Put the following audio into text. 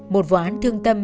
một vụ án thương tâm